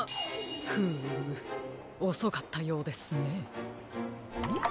フームおそかったようですね。